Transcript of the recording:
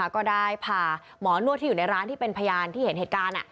ก็ได้พาหมอนวดที่อยู่ในร้านที่เป็นพยานที่เห็นเหตุการณ์